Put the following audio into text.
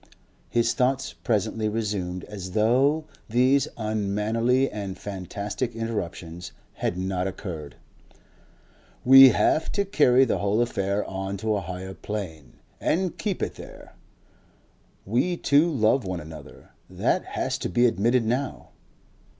His thoughts presently resumed as though these unmannerly and fantastic interruptions had not occurred. "We have to carry the whole affair on to a Higher Plane and keep it there. We two love one another that has to be admitted now.